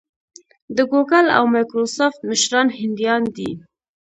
د ګوګل او مایکروسافټ مشران هندیان دي.